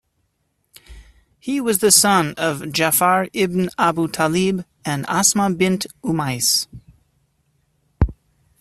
He was the son of Ja'far ibn Abu Talib and Asma bint Umais.